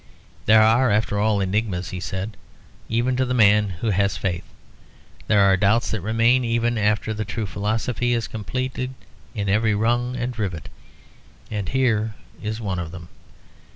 "There are, after all, enigmas," he said "even to the man who has faith. There are doubts that remain even after the true philosophy is completed in every rung and rivet. And here is one of them.